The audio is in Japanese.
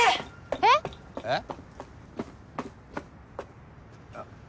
えっ？えっ？